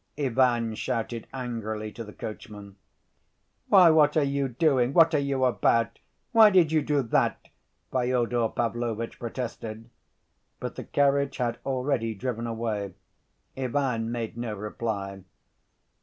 Ivan shouted angrily to the coachman. "Why, what are you doing, what are you about? Why did you do that?" Fyodor Pavlovitch protested. But the carriage had already driven away. Ivan made no reply.